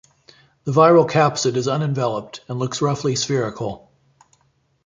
The viral capsid is unenveloped and looks roughly spherical.